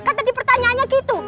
kan tadi pertanyaannya gitu